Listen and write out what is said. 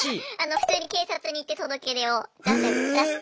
普通に警察に行って届け出を出して。